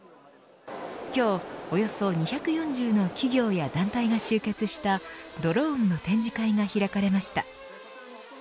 今日およそ２４０の企業や団体が集結したドローンの展示会が開かれました。